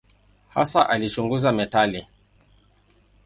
Hasa alichunguza metali.